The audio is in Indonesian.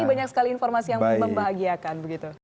ini banyak sekali informasi yang membahagiakan